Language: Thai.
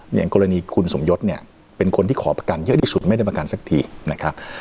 อย่างกรณีคุณสมยศเนี่ยเป็นคนที่ขอประกันเยอะที่สุดไม่ได้ประกันสักทีนะครับ